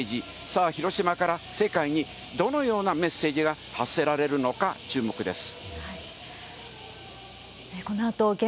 さあ、広島から世界にどのようなメッセージが発せられるのか、注目です。